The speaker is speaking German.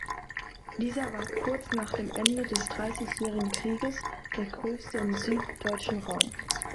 Dieser war kurz nach dem Ende des Dreißigjährigen Krieges der größte im süddeutschen Raum.